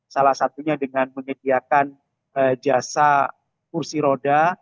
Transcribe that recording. salah satunya dengan menyediakan jasa kursi roda